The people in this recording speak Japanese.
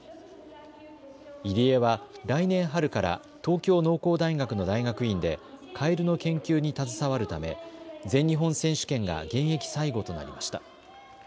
入江は来年春から東京農工大学の大学院でカエルの研究に携わるため、全日本選手権が現役最後となりました。